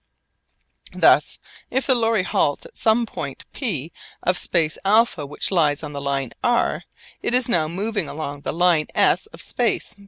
Thus if the lorry halts at some point P of space α which lies on the line r, it is now moving along the line s of space β.